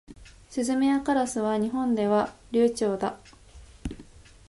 スズメやカラスは日本では留鳥だ。